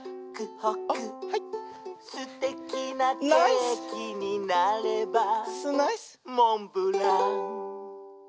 「すてきなケーキになればモンブラン！」